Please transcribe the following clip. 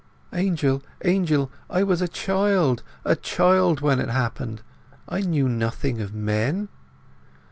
"Angel!—Angel! I was a child—a child when it happened! I knew nothing of men."